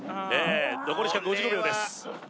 残り時間５５秒です